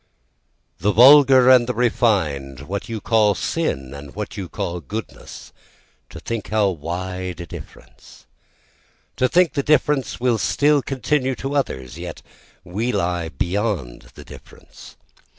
The vulgar and the refined, what you call sin and what you call goodness, to think how wide a difference, To think the difference will still continue to others, yet we lie beyond the difference.